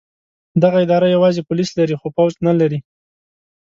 دغه اداره یوازې پولیس لري خو پوځ نه لري.